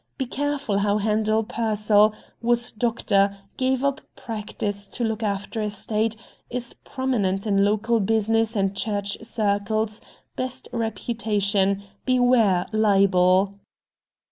Be careful how handle Pearsall, was doctor, gave up practice to look after estate, is prominent in local business and church circles, best reputation, beware libel."